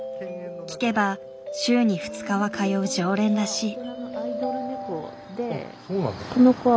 聞けば週に２日は通う常連らしい。